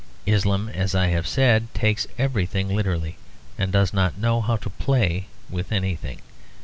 Islam, as I have said, takes everything literally, and does not know how to play with anything.